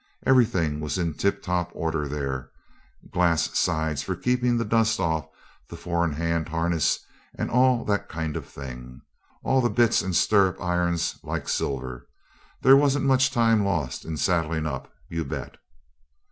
Everything was in tip top order there glass sides for keeping the dust off the four in hand harness and all that kind of thing. All the bits and stirrup irons like silver. There wasn't much time lost in saddling up, you bet!